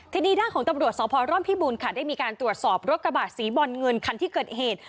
ทีนี้ด้านของตำรวจสพร่อมพิบูลค่ะได้มีการตรวจสอบรถกระบะสีบอลเงินคันที่เกิดเหตุ